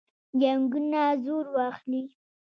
جنګونه زور واخلي.